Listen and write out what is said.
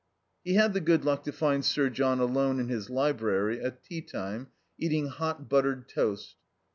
He had the good luck to find Sir John alone in his library at tea time, eating hot buttered toast.